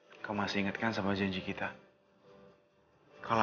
kalau aku gak akan pernah ninggalin kamu dalam keadaan apa apa aku akan tinggal di rumah kamu ya